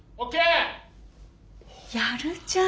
やるじゃん